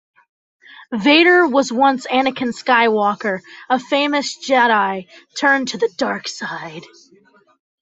Vader was once Anakin Skywalker, a famous Jedi turned to the Dark Side.